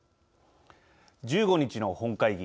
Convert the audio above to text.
１５日の本会議。